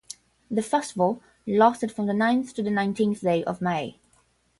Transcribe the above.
The festival lasted from the ninth to the nineteenth day of May.